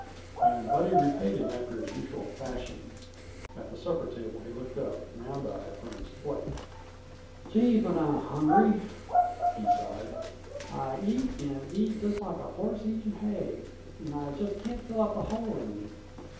And Buddy repaid him after his usual fashion. At the supper table he looked up, round eyed, from his plate. "Gee, but I'm hungry!" he sighed. "I eat and eat, just like a horse eating hay, and I just can't fill up the hole in me."